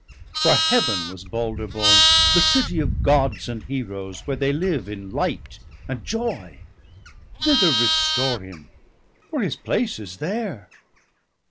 For Heaven was Balder born, the city of Gods And Heroes, where they live in light and joy. Thither restore him, for his place is there